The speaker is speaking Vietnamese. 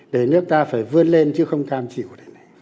để nước ta phải vươn lên chứ không cam chịu này